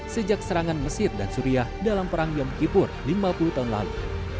sejak serangan mesir dan suriah dalam perang yom kipur lima puluh tahun lalu